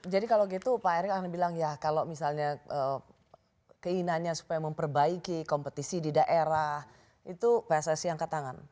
jadi kalau gitu pak erick bilang ya kalau misalnya keinginannya supaya memperbaiki kompetisi di daerah itu pssi yang ke tangan